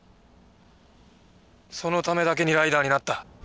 そのためだけにライダーになった。